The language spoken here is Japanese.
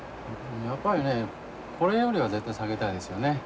やっぱりねこれよりは絶対下げたいですよね。